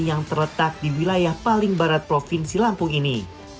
yang terletak di wilayah paling barat provinsi lampung ini